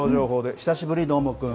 久しぶり、どーもくん。